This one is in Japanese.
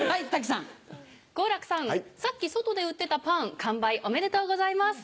さっき外で売ってたパン完売おめでとうございます。